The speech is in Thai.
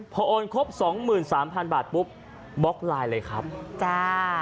พอโอนครบ๒๓๐๐๐บาทปุ๊บบล็อกไลน์เลยครับจ้า